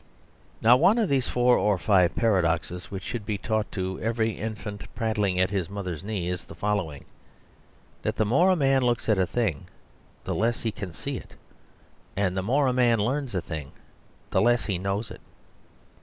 Now, one of these four or five paradoxes which should be taught to every infant prattling at his mother's knee is the following: That the more a man looks at a thing, the less he can see it, and the more a man learns a thing the less he knows it.